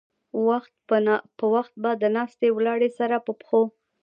وخت پۀ وخت به د ناستې ولاړې سره پۀ پښو